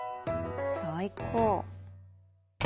最高。